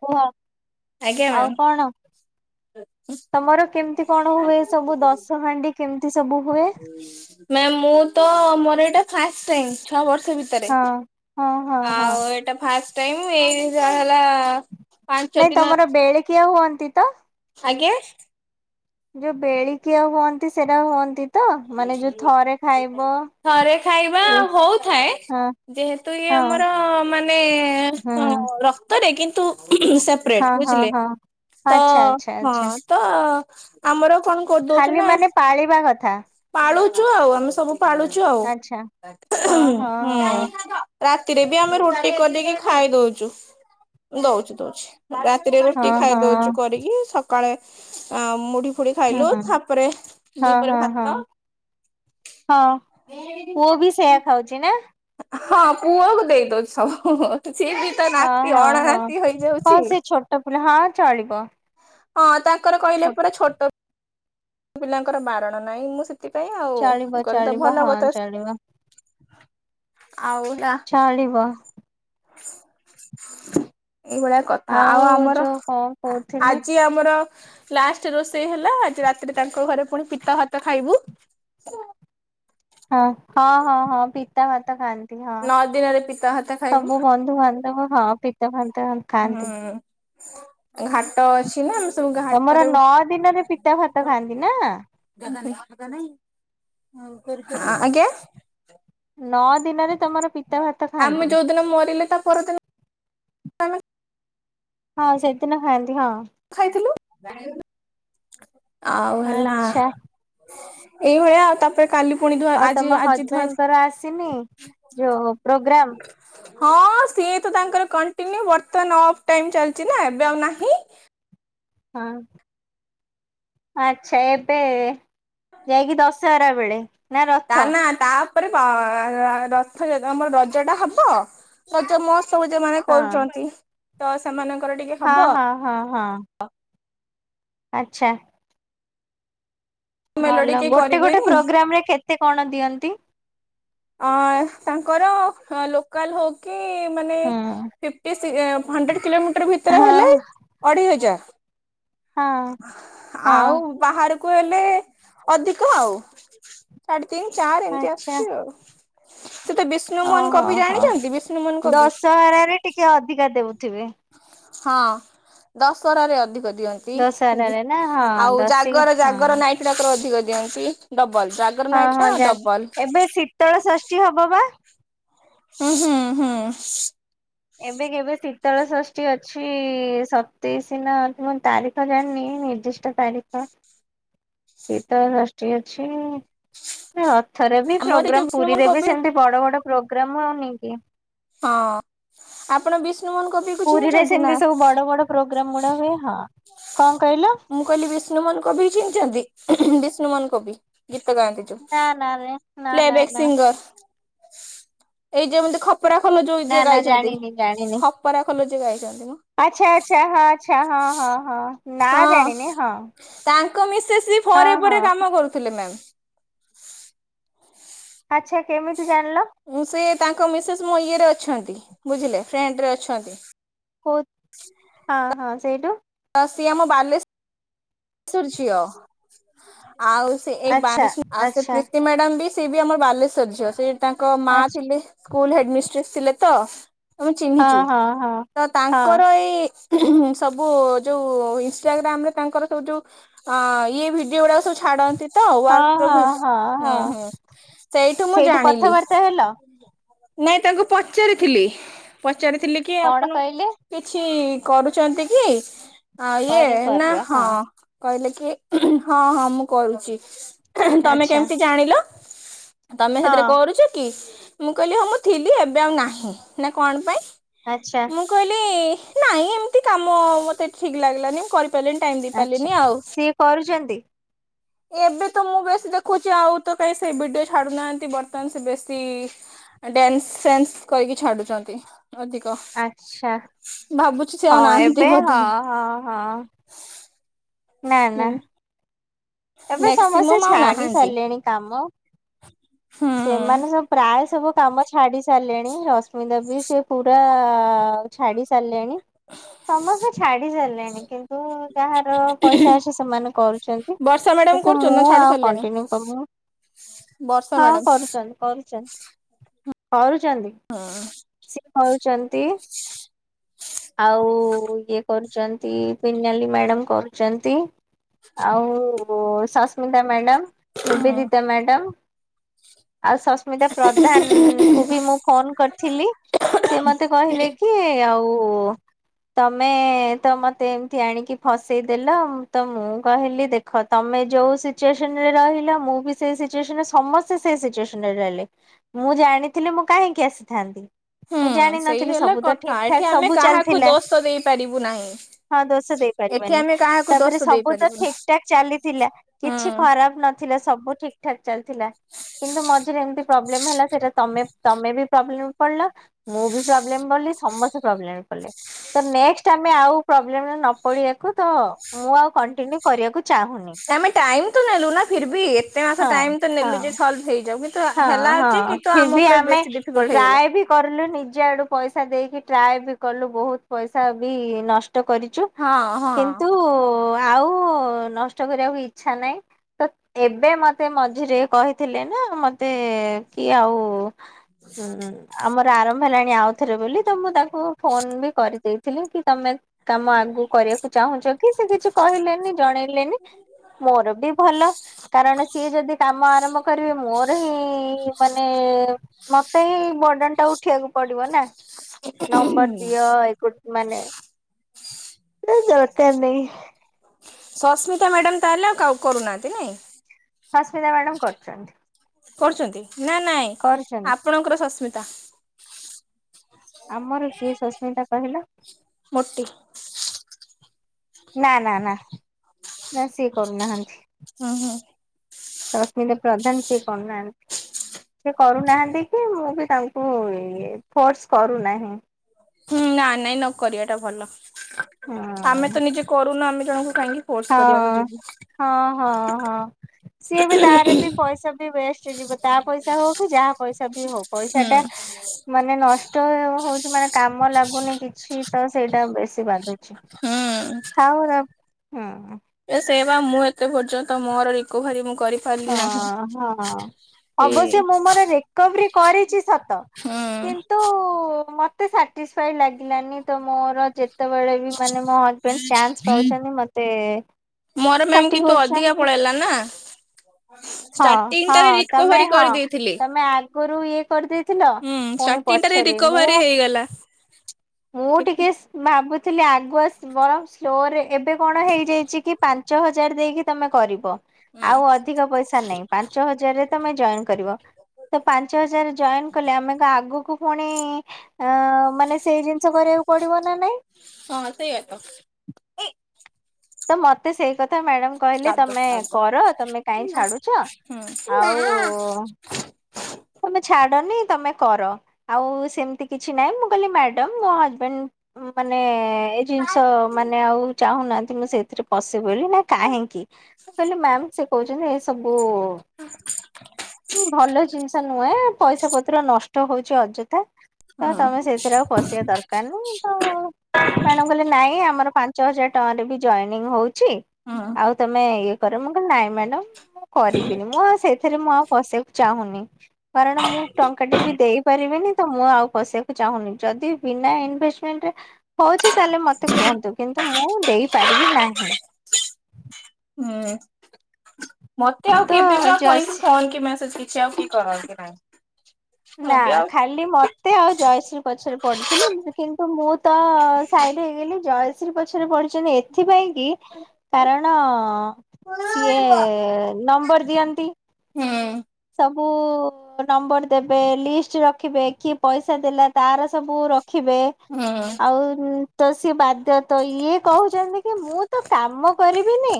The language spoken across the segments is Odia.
କୁହ ଆଉ କଣ ତମର କେମିତି କଣ ହୁଏ ସବୁ ଦଶ ହାଣ୍ଡି କେମିତି ସବୁ ହୁଏ? ନାଇଁ ମୁଁ ତ ମୋର ଏଇଟା ଫାଷ୍ଟ ଟାଇମ ଛଅ ବର୍ଷ ସ ଭିତରେ ହଁ ହଁ ହଁ ହଁ ଆଉ ଏଇଟା ଫାସ ଟାଇମ ଏଇ ଯାହା ହେଲା ପାଞ୍ଚ ନାଇଁ ଦିନ ତମର ବେଳିକିି ଆଉ ହୁଅ ନ୍ତିତ । ଆଜ୍ଞା ଯୋଉ ବେଳିକି ଆଉ ହୁଅନ୍ତି ସେଟା ଆଉ ହୁଅନ୍ତି। ତ ମାନେ ଯୋଉ ଥରେ ଖାଇବ ଥରେ ଖାଇବା ହଁ ହଉଥାଏ ହଁ ଯେହେତୁ ଇଏ ଆମର ମାନେ ହୁଁ ରକ୍ତରେ କିନ୍ତୁ ତୁ ସେପେରେଟ୍ ହଁ ହଁ ବୁଝିଲେ ହଁ ତ ଆଚ୍ଛା ଆଚ୍ଛା ଆଚ୍ଛା ହଁ ତ ଆମର କଣ କରିଦଉଛୁ ଖାଲି ନା ମାନେ ପାଳିବା କଥା। ପାଳୁଛୁ ଆଉ ଆମେ ସବୁ ପାଳୁଚୁ ହୁଁ ଆଚ୍ଛା ହଁ ହଁ ହଁ ରାତିରେ ବି ଆମେ ରୁଟି କରି ଟିକେ ଖାଇ ଦଉଛୁ ଦଉଛୁ ଦଉଛି। ରାତିରେ ହଁ ରୁଟି ଖାଇ ହଁ ଦଉଛୁ କରିକି ସକ୍ କାଳେ ଅ ମୁଢି ଫୁଡ଼ି ହୁଁ ଖାଇଲୁ ହଁ ଥାପରେ ଦିପରେ ହଁ ଭା ହଁ ହଁ ପୁଅ ବି ସେୟା ଖାଉଛି ନା? ହଁ ପୁଅକୁ ଦେଇ ଦଉଛି ସବୁ। ସିଏ ବି ତ ହଁ ନାତି ହଁ ଅଣ ହଁ ନାତି ହେଇଯାଉଛି ହଁ ସେ ଛୋଟ ପିଲା ହଁ ଚଳିବ। ହଁ ତା ଙ୍କର କହିଲେ ଛୋ ପୁରା ଛୋଟ ପିଲାଙ୍କର ବାରଣ ନାହିଁ ମୁଁ ସେ ଚାଳିବ ଚାଳିବ ହଁ ଚାଳିବା। ଆଉ ହେଲା ଚାଲିବ। [inaudible] ଏଇଭଳିଆ କଥା ଆଉ ଆମର ଯୋଉ କଣ କହୁଥିଲି ଆଜି ଆମର। ଲାଷ୍ଟ ରୋଷେଇ ହେଲା ଆଜି ରାତିରେ ତାଙ୍କ ଘରେ ପୁଣି ପିଠା ଭାତ ଖାଇବୁ। ହଁ ହଁ ହଁ ହଁ ତା ଭାତ ଖାଆନ୍ତି ହଁ। ନଅ ଦିନରେ ପିତା ଭାତ ଖାଇବୁ। ସବୁ ବନ୍ଧୁ ହଁ ପିତା ଖାଆନ୍ତି ତ ଖାଆନ୍ତି। ହୁଁ ଘାଟ ଅଛି ନା ସବୁ ତମର ଘାଟରେ ନଅ ଦିନରେ ପିତା ଭାତ ଖାଆନ୍ତି ନା ଆଜ୍ଞା ନଅ ଦିନରେ ତମର ପିତା ଭାତ ଖାଆନ୍ତି ଆମେ ଯୋଉଦିନ ମରିଲେ ତା ପରଦିନ ଆମେ ହଁ ସେଦିନ ଖାଆନ୍ତି। ହଁ। ଖାଇଥିଲୁ? [inaudible] ଆଉ ହେଲା ଆଚ୍ଛା ଏଇଭଳିଆ ଆଉ ତାପରେ କାଲି ପୁଣି ଧୁଆ ଆଉ ଆଜି ତମ ଆଜି ଧୁଆ ହଜବେଣ୍ଡଙ୍କର ଆସିନି ଯୋଉ ପ୍ରୋଗ୍ରାମ। ହଁ ସିଏ ତ ତାଙ୍କର କଣ୍ଟିନ୍ୟୁ। ବର୍ତମାନ ଅଫ୍ ଟାଇମ୍ ଚାଲିଛିନା ନା ଏବେ ଆଉ ନାହିଁ। ହଁ ଆଚ୍ଛା ଏବେ ଯାଇକି ଦଶ ସାରାବେଳେ ତା ନା ତା ତାପରେ ରଥ ଆମର ରଜ ଟା ହବ ରଜ ମୋହସ୍ଛ ସବୁ ଯୋଉମାନେ ହଁ କରୁଛନ୍ତି। ତ ସେମାନଙ୍କ ହଁ ହଁ ହଁ ହଁ। ଆଚ୍ଛା । ମେଲୋଡି ଭଲ କେହି ଗୋଟେ ଗୋଟେ କରିବେନି ପ୍ରୋଗ୍ରାମ ରେ କେତେ କଣ ଦିଅନ୍ତି? ଅ ତାଙ୍କର ଲୋକାଲ ହଉ କି କି ମାନେ ହଁ ଫିପ୍ଟି ସେ ହନଡ୍ରେଡ କିିଲୋ ଭିତ୍ର ଭିତେରେ ହଁ ହେଲେ ଅଢେଇ ହଜାର ହଁ ଆଉ ବାହାରୁ କୁ ହେଲେ ଅଧିକ ଆଉ । ତିନି ଚାର ଏମିତି ଆଚ୍ଛା ଆସୁଛି ଆଉ। [inaudible] ସେ ତ ବିଷ୍ଣୁ ମୋହନ ଓହୋ କବି ଜାଣିଛନ୍ତି? ବିଷ୍ଣୁ ମୋହନ କବି । କେ ଅଧିକା ଦେଉଥିବେ। ହଁ ଦଶହରାରେ ଅଧିକ ଦିଅନ୍ତି। ଦଶହରାରେ ନା ହଁ ଆଉ ଦଶିକା ଜାଗର ଜାଗର ହଁ ନାଇଟ ଟାକର ଅଧିକ ଦଅନ୍ତି ।ଡ ହଁ ହଁ ଜାଣି ଏବେ ଶୀତଳ ଷଷ୍ଠୀ ହବ ବା । ହୁଁ ହୁଁ ହୁଁ। ଏବେ କେବେ ଶୀତଳ ଷଷ୍ଠୀ ଅଛି ସତେଇଶି ନା ମୁଁ ତାରିଖ ଜାଣିନି ନିର୍ଦ୍ଦିଷ୍ଟ ତାରିଖ ଶୀତଳ ଷଷ୍ଠୀ ଅଛି। ଥରେ ବି ଆମର ଏଇ ଯୋଉ ପ୍ରୋଗ୍ରାମ ବିଷ୍ଣୁମୋହନ ପୁରୀରେ ବି କବି ହଁ ସେମତି ବଡ ପ୍ରୋଗ୍ରାମ ହଉନି କି? ହଁ ଆପଣ ବି ପୁରୀରେ ସେମତି ସବୁ ବଡ ବଡ ପ୍ରୋ [inaudible] ହଁ କଣ କହିଲ? ବିଷ୍ଣୁ ମୋହନ କବି କି ଚିହ୍ନିଛନ୍ତି ବିଷ୍ଣୁ ମୋହନ କବି। ଗୀତ ଗାଆନ୍ତି ଯୋଉ ନା ନା ରେ ନା ପ୍ଲେ ନା ବେକ୍ ନା ସିଙ୍ଗର। ଏଇ ଯେମିତି ଖ ନା ନା ଜାଣିିନି ଜାଣିିନି ଖପରା ଖୋଲ ଯିଏ ଗାଇଛନ୍ତି ମ ଆଚ୍ଛା ଆଚ୍ଛା ହଁ ଆଚ୍ଛା ହଁ ହଁ ହଁ ନାଁ ଜାଣିନି ହଁ କମି ସିଏ ପରେ ହଁ କୁଆଡେ ହଁ। କାମ କରୁଥିଲେ ମ୍ୟାମ [inaudible] ଆଚ୍ଛା କେମିତି ଜାଣିଲ? ମୁଁ ସେଇ ତାଙ୍କ ମିସେସ୍ ମୋ ଇଏରେ ଅଛନ୍ତି ବୁଝିଲେ ଫ୍ରେଣ୍ଡରେ ଅଛନ୍ତି। ହଉ ହଁ ହଁ ସେଇଠୁ? ତ ସିଏ ଆମ ବାଲେଶ୍ଵର ଚ ଆଉ ସେ ଏଇ ଆଚ୍ଛା ଆଉ ସେ ଆଚ୍ଛା ପ୍ରୀତି ମ୍ୟାଡ଼ାମ ବ ସେି ବି ଆମ ବାଲେଶ୍ୱର ଝଅ ସେଇ ତାଙ୍କ ମା ଆଚ୍ଛା ଥିଲେ ସ୍କୁଲ ହେଡ଼୍ମିଷ୍ଟ୍ରେସ୍ ଥିଲେ ତ। ଆମେ ଚିହ୍ନିଛୁ ହଁ ହଁ ହଁ। ତ ତାଙ୍କର ଏଇ ସବୁ ଯୋଉଁ ଇନଷ୍ଟାଗ୍ରାମରେ ତାଙ୍କର ତୁ ଯୋଉ ଇଏ ଭିଡିଓ ଗୁଡାକ ସବୁ ଛାଡନ୍ତି। ତ ହଁ ହଁ ହୁଁ ହଁ ହଁ ହଁ ହୁଁ ସେଇଠୁ ମୁଁ ଜାଣିଲି। କଥାବାର୍ତ୍ତା ହେଲ। ନାଇଁ ତାଙ୍କୁ ପଚାରିଥିଲି। ପଚାରିଥିଲି କି କଣ ଆପଣ କହିଲେ କିଛି କରୁଛନ୍ତି କି? ଆ ଇଏ ନା ହଁ। କହିଲେ କି ହଁ ହଁ ମୁଁ କରୁଛି। ତମେ ଆଚ୍ଛା କେମିତି ଜାଣିଲ। ତମେ ହଁ ସେଥିରେ କରୁଛ କି? ମୁଁ କହିଲି ହଁ ମୁଁ ଥିଲି ଏବେ ଆଉ ନାହିଁ। ନା କଣ ପାଇଁ? ଆଚ୍ଛା ମୁଁ କହିଲି ନାଇଁ ଏମିତି କାମ ମତେ ଠିକ ଲାଗିଲାନି ମୁଁ କରିପାରିଲିନି ଟାଇମ୍ ଆଛା ସିଏ କରୁଛନ୍ତି? ଏବେ ତ ମୁଁ ବେଶୀ ଦେଖୁଛି ଆଉ ତ କାଇଁ ସେ ଭିଡିଓ ଛାଡୁନାହାନ୍ତି ବର୍ତ୍ତମାନ ସେ ବେଶୀ ଡ୍ୟାନ୍ସ ସେନ୍ସ କରିକି ଛାଡୁଛନ୍ତି। ଅଧିକ ଆଚ୍ଛା ଭାବୁ ହଁ ଏବେ ହଁ ହଁ ହଁ। ନା ନା। ହୁଁ ଏବେ ସମସ୍ତେ ମ୍ୟାକ୍ସିମମ୍ ଆଉ ଛାଡି ନାହାନ୍ତି ସାରିଲେଣି କାମ। ହୁଁ। ସେମାନେ ସବୁ ପ୍ରାୟ ସବୁ କାମ ଛାଡି ସାରି ସାରିଲେଣି। ରଶ୍ମି ଦେବୀ ସେ ପୁରା ଛାଡି ସାରିଲାଣି। ସମସ୍ତେ ଛାଡି ସାରିଲେଣି । କିନ୍ତୁ ଯାହାର ପଇସା ଅଛି ସେମାନେ କରୁଛନ୍ତି ବର୍ଷା ମ୍ୟାଡାମ ।କିନ୍ତୁ କରୁଛନ୍ତି ନା ମୁଁ ଛାଡି ଆଉ ସାରିଲେଣି କଣ୍ଟିନ୍ୟୁ କ ବର୍ଷା ହଁ ମ୍ୟାଡାମ କରୁଛନ୍ତି କରୁଛନ୍ତି। ଆ ଛନ୍ତି ।ସେ କରୁଛନ୍ତି ।ଆଉ ଇଏ କରୁଛନ୍ତି ପିନାଲି ମ୍ୟାଡ଼ାମ କରୁଛନ୍ତି। ଆଉ ସସ୍ମିତା ମ୍ୟାଡ଼ାମ ହୁଁ। ନିବେଦିତା ମ୍ୟାଡ଼ମ୍ ଆଉ ସସ୍ମିତା ପ୍ରଧାନ କୁ ବି ମୁଁ ଫୋନ କରିଥିଲି ସେ ମତେ କହିଲେ କି ଆଉ ଓ ତମେ ତ ମୋତେ ଏମିତି ଆଣିକି ଫସେଇଦେଲ। ତ ମୁଁ କହିଲି ଦେଖ ତମେ ଯୋଉ ସିଚୁଏସନରେ ରହିଲ ମୁଁ ବି ସେ ସିଚୁଏସନରେ ସମସ୍ତେ ସମସ୍ତେ ସେହି ସିଚୁଏସନ୍ ରେ ରହିଲେ। ମୁଁ ଜାଣିଥିଲି ମୁଁ କାହିଁକି ଆସିଥାନ୍ତି। ହୁଁ ମୁଁ ସେଇ ଜାଣିନଥିଲି ହେଲା ସବୁ ତ କଥା ଠିକ ଠାକ ଏଠି ଆମେ ସବୁ କାହାକୁ ଚାଲିଥିଲା। ଦୋଷ ଦେଇପାରିବୁ ନାହିଁ। ହଁ ଦୋଷ ଏଠି ଦେଇପାରିବନି ଆମେ କାହାକୁ ତାପରେ ଦୋଷ ସବୁ ତ ଦେଇପାରିବୁନି ଠିକ ଠାକ ଚାଲିଥିଲା କିଛି ହୁଁ। ଖରାପ ନଥିଲା । ସବୁ ଠିକଠାକ ଚାଲିଥିଲା । ତମେ ତମେ ବି [unintelligible] ମୁଁ ବି ପ୍ରୋବ୍ଲେମ ବୋଲି ସମସ୍ତେ ପ୍ରୋବ୍ଲେମ ରେ ପଡ଼ିଲେ। ତ ନେକ୍ସଟ୍ ଆମେ ଆଉ ପ୍ରୋବ୍ଲେମ୍ ରେ ନପଡ଼ିବାକୁ ତ ମୁଁ ଆଉ କଣ୍ଟିନିଉ କରିଆକୁ ଆମେ ଟାଇମ ତ ନେଲୁ ନା ଫିର ବି ଏତେ ମାସ ହଁ ଟାଇମ୍ ତ ହଁ। ନେଲୁ ଯେ ସଲଭ ହେଇଯି ହଁ ହଁ ଫିର୍ ବି ଆମେ ବେଶୀ ଡିଫିକଲ୍ଟ ହେଇଗଲା ଟ୍ରାଏ ବି କରଲୁ ନିଜ ଆଡୁ ପଇସା ଦେଇକି ଟ୍ରାଏ ବି କଲୁ ବହୁତ ପଇସା ବି ନଷ୍ଟ କରିଛୁ ହଁ ହଁ ।କିନ୍ତୁ ଆଉ ନଷ୍ଟ କରିବାକୁ ଇଚ୍ଛା ନାହିଁ ତ ଏବେ ମତେ ମଝିରେ କହିଥିଲେ ନା ମ ତେ କିଏ ଆଉ ହୁଁ ଆମର ପ୍ରାରମ୍ଭ ହେଲାଣି ଆଉ ଥରେ ବୋଲି ତ ମୁଁ ତାଙ୍କୁ ଫୋନ ବି କରିଦେବି ଥିଲ କି ତମେ କାମ ଆଗକୁ କରିବାକୁ ଚାହୁଁଛ ସେ କିଛି କହିଲେନି ଜଣେଇଲେନି । ମୋର ବି ଭଲ । କାରଣ ସିଏ ଯଦି କାମ ଆରମ୍ଭ କରିବେ ମୋର ନାହିଁ ମାନେ ମତେ ହିଁ ବର୍ଡନ ଟା ଉଠେଇବାକୁ ପଡିବ ନା । ନମ୍ବର ଦିଅ ମାନେ ଦରକାର ନାହିଁ । ସସ୍ମିତା ମ୍ୟାଡାମ ତାହେଲେ ଆଉ କରୁନାହାଁନ୍ତି ନାଇଁ। ସସ୍ମିତା ମ୍ୟାଡାମ କରୁଛନ୍ତି । କରୁଛନ୍ତି? ନା ନାଇଁ ଆପଣଙ୍କର ସସ୍ମିତା ତାଃ ଆମର କିଏ ସସ୍ମିତା କହିଲ? ମୋଟି। [inaudible] ନାଁ ନାଁ ନାଁ ନାଁ ସିଏ କରୁନାହାନ୍ତି। ହୁଁ ହୁଁ। ରଶ୍ମିତା ପ୍ରଧାନ ସିଏ କରୁନାହାନ୍ତି। ସିଏ କରୁନାହାନ୍ତି କି ମୁଁ ବି ତାଙ୍କୁ ଇଏ ଫୋର୍ସ କରୁନାହିଁ। ହୁଁ ନାଁ ନାଇଁ ନ କରିବା ଟା ଭଲ। ହଁ ଆମେ ତ ନିଜେ କରୁନୁ ଆମେ ଜଣଙ୍କୁ କାହିଁକି ଫୋର୍ସ ହଁ କରିବାକୁ ଯିବୁ ହଁ ହଁ ହଁ। ସିଏ ବି ତାର ବି ପଇସା ବି ୱେଷ୍ଟ ଯିବ ତା ପଇସା ହୋଉ କି ଯାହା ପଇସା ବି ହୋଉ ହୁଁ ପଇସାଟା ମାନେ ନଷ୍ଟ ହୋଉଚି ମାନେ କାମ ଲା ଗୁନି କିଛି ତ ସେଇଟା ବେଶୀ ବାଧୁ ହୁଁ ହଉ ର ହଁ। ଏ ସେ ବା ମୁଁ ଏତେ ପର୍ଯ୍ୟନ୍ତ ମୋର ରିକଭରୀ ମୁଁ କରିପାରିଲି ନାହିଁ ହଁ ହଁ ଏ ଅବଶ୍ୟ ମୁଁ ମୋର ରିକଭରି କରିଚି ସତ ହୁଁ କିନ୍ତୁ ମ ଏତେ ସାଟିସ୍ଫାଇ ଲାଗିଲାନି ତ ମୋର ଯେ ତେବେଳେ ବି ମାନେ ମୋ ହଜବେଣ୍ଡ ଚାନ୍ସ ପାଉଛନ୍ତି ମତେ ମୋର ମ୍ୟାମ୍ ପାଟି କିନ୍ତୁ ଅଧିକା କରଛନ୍ତି। ପଳେଇଲା ନା [unintelligible] ହଁ ହଁ ଷ୍ଟାର୍ଟିଂଟାରେ ତମେ ରିକଭରି ହଁ କରିଦେଇଥିଲି। ତମେ ଆ ଗରୁ ଇଏ କରିଦେଇ ହୁଁ ଷ୍ଟାର୍ଟିଂଟାରେ ରିକଭରି ହେଇଗଲା। ମୁଁ କିନ୍ତୁ ଟିକେ ସ୍ମା ଭାବୁଥିଲି ଆଗୁଆ ବଳ ସ୍ଲୋରେ ଏବେ କଣ ହେଇଯାଇଛି କି ପାଞ୍ଚ ହଜାର ଦେଇକି ତମେ କରିବ। ହୁଁ ଆଉ ଅଧିକ ପଇସା ନାଇଁ ପାଞ୍ଚ ହଜାରେ ତମେ ଜଏନ୍ କରିବ। ତ ପାଞ୍ଚ ହଜାର ଜଏନ କଲେ ଆମେ କଁ ଆଗୁକୁ ପୁଣି ଅ ମାନେ ସେଇ ଜି ଚ କରିବାକୁ ପଡ଼ିବ ନାଁ ନାଇଁ? ହଁ ସେଇଆ ତ। ଏ ତ ମତେ ସେଇ କ ତ ମ୍ୟାଡମ କହିଲେ କାଦ ତମେ କାଦ କର। ତମେ କାଇହିଁ ଛାଡୁଚ? ହୁଁ ଆଉ ତମେ ଛାଡନି ତମେ କର। ଆଉ ସେମତି କିଛି ନାଇଁ ମୁଁ କହିଲି ମ୍ୟାଡମ ମୋ ହଜବେଣ୍ଡ ମାନେ ଏଇ ଜିନିଷ ମାନେ ଆଉ ଚାହୁଁନାହାନ୍ତି ମୁଁ ସେଇଥିରେ ପଶେ ବୋଲି। ନାଁ କାହିଁକି? ମୁ କହିଲି ମ୍ୟାମ୍ ସେ କହୁଛ ଏ ସବୁ ହୁ ଭଲ ଜିନିଷ। ନୁହଁ ପଇସା ପତ୍ର ନ କଷ୍ଟ ହଉଛି ଅଯଥା। ତ ହୁଁ ତମେ ସେଥିରେ ଆଉ ଖସିବା ଦରକାର ନାହି ତ ପଣ କହିଲେ ନାଇଁ ଆମର ପାଞ୍ଚ ପାଞ୍ଚ ହଜାର ଟଙ୍କାରେ ବି ଜଏନିଂ ହଉଛି ଅଛି ହୁଁ। ଆଉ ତମେଇ କରରେ ମଙ୍ଗ ନାଁ ମ୍ୟାଡ଼ମ। ମୁଁ କରିବିନି ମୁଁ ଆଉ ସେ ରେ ମୁଁ ଆଉ ପଶିକୁ ଚାହୁଁନି। କାରଣ ମୁଁ ଟଙ୍କା ଟେ ବି ଦେଇ ପାରିବିନି। ତ ମୁଁ ଆଉ କସିବାକୁ ଚାହୁଁନି ଯଦି ବିନା ଇନଭେଷ୍ଟମେଣ୍ଟରେ ହଉଛି ତାହେଲେ ମତେ କୁହନ୍ତୁ କିନ୍ତୁ ମୁଁ ଦେଇପାରି ଦେବି ନାହିଁ। ହୁଁ। ମତେ ଆଉ ତ କେବେତି ଯ ଜୟଶ୍ରୀ ଫନ୍ କି ମେସେଜ ସେଉ କି କରନ୍ତି ନହି ନା ଖାଲି ମତେ ଆଉ ଜୟଶ୍ରୀ ପଛରେ ପଢ଼ୁଥିଲି କିନ୍ତୁ ମୁଁ ତ ସାଇଡ଼ ହେଇଗଲି ଜୟଶ୍ରୀ ପଛରେ ପଡ଼ିିଛନ୍ତି ଏଥିପାଇଁ କାରଣ ସିଏ ନମ୍ବର ଦିଅନ୍ତି। ହୁଁ ସୁ ନମ୍ବର ଦେବେ ଲିଷ୍ଟ ରଖିବେ କି ପଇସା ଦେଲା ତାର ସବୁ ଦେଖିବେ ହୁଁ ଆଉ ତ ସେଏ ବାଧ୍ୟ ତ ଇଏ କହୁଛି କି ମୁଁ ତ କାମ କରିବିନି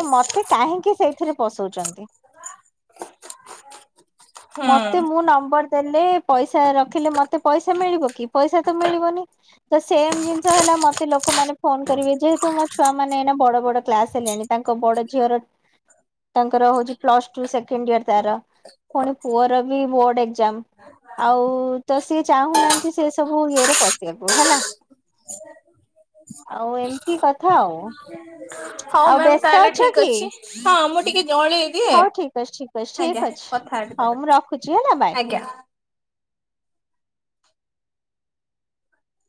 ତ ମତେ କାହିଁକି ସେ ଏଥିରେ ପଶଉଛନ୍ତି। ହୁଁ। ମତେ ମୁଁ ନମ୍ବର ଦେଲେ ପଇସା ରଖିଲେ ମତେ ପଇସା ମିଳିବ କି ପଇସା ତ ମିଳିବନି। ତ ସେମ୍ ଜିନିଷ ହେଲା ମତେ ଲୋକମାନେ ଫୋନ କରିବେ ଯେହେତୁ ମୋ ଛୁଆ ମାନେ ନା ବଡ ବଡ କ୍ଲାସ ହେଲେଣି। ତାଙ୍କ ବଡ ଝିଅର ତାଙ୍କର ହଉଛି ପ୍ଲସ ଟୁ ସେକେଣ୍ଡ ଇୟର ତାର ପୁଣି ପୁଅର ବି ବୋର୍ଡ ଏଜାମ ଆଉ ତ ସିଏ ଚାହୁଁନାହାନ୍ତି। ସେ ସବୁ ଇଏରେ ପଶିବାକୁ ହେଲା ଆଉ ଏମିତି କଥା ଆଉ। ହଉ ଆଉ ମ୍ୟାାମ ବ୍ୟସ୍ତ ତାହେଲେ ଅଛ ଠିକ କି? ଅଛି ହଁ ମୁଁ ଟିକେ ଜଳେଇ ଦିଏ। ହଉ ଠିକ ଅଛି ଠିକ ଅଛି ଆଜ୍ଞା ଠିକ କଥା ଅଛି ହେବି ହଉ ତାପରେ ମୁଁ ରଖୁଛି ହେଲା ବାଏ। ଆଜ୍ଞା।